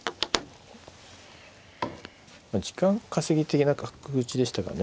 時間稼ぎ的な角打ちでしたかね